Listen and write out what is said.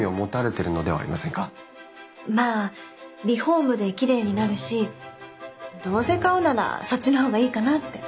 まあリフォームできれいになるしどうせ買うならそっちの方がいいかなって。